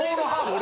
俺